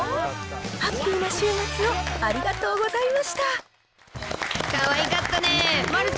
ハッピーな週末をありがとうござかわいかったね。